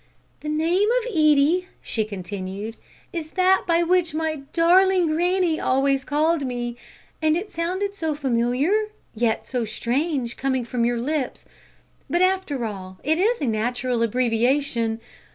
"The name of Edie," she continued, "is that by which my darling granny always called me, and it sounded so familiar yet so strange coming from your lips. But, after all, it is a natural abbreviation.